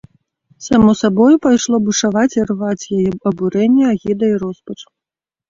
Само сабою пайшло бушаваць і рваць яе абурэнне, агіда і роспач.